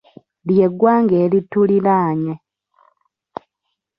Ly'eggwanga erituliraanye.